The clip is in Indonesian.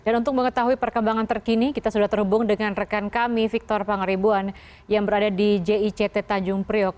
dan untuk mengetahui perkembangan terkini kita sudah terhubung dengan rekan kami victor pangribuan yang berada di jict tanjung priok